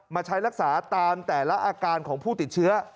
มาใช้รักษาตามแต่ละอาการของผู้ติดเชื้อ